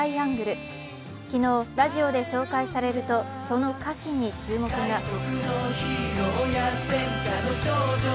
昨日、ラジオで紹介されると、その歌詞に注目が。